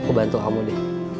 aku bantu kamu deh